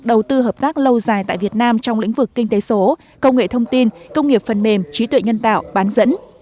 đầu tư hợp tác lâu dài tại việt nam trong lĩnh vực kinh tế số công nghệ thông tin công nghiệp phần mềm trí tuệ nhân tạo bán dẫn